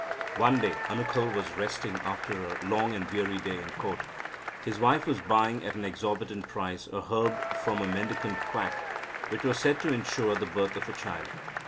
One day Anukul was resting after a long and weary day in court. His wife was buying, at an exorbitant price, a herb from a mendicant quack, which was said to ensure the birth of a child.